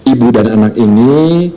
ibu dan anak ini